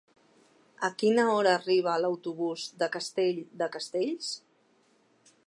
A quina hora arriba l'autobús de Castell de Castells?